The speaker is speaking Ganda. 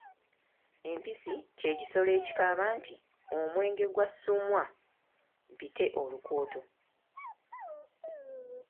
Empisi kye kisolo ekikaaba nti "Omwenge gwa Ssuumwa, mpite olukooto".